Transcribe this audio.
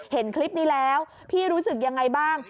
เห็นคลิปนี้แล้วพี่รู้สึกยังไงบ้าง